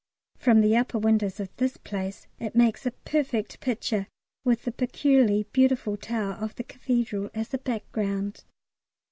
From the upper windows of this place it makes a perfect picture, with the peculiarly beautiful tower of the Cathedral as a background.